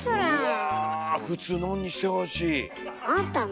うわ普通のんにしてほしい。